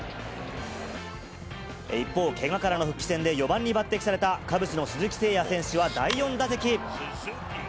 一方、けがからの復帰戦で４番に抜てきされたカブスの鈴木誠也選手は第４打席。